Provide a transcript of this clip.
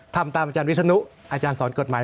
ทำตามอาจารย์วิศนุอาจารย์สอนกฎหมาย